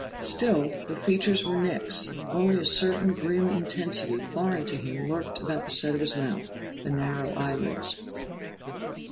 Still, the features were Nick's, only a certain grim intensity foreign to him lurked about the set of his mouth, the narrowed eye lids.